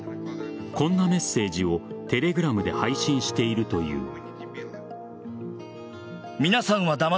こんなメッセージをテレグラムで配信しているという。